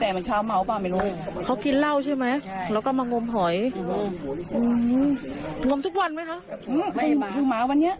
แล้วแกกินเล่าอะไรไหมมีเล่ามีไหม